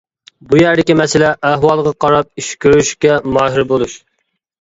بۇ يەردىكى مەسىلە ئەھۋالغا قاراپ ئىش كۆرۈشكە ماھىر بولۇش.